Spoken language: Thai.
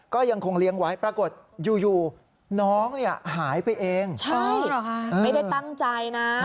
ก็ยังคงเลี้ยงไว้ปรากฏอยู่น้องเนี่ยหายไปเองใช่ไม่ได้ตั้งใจนะ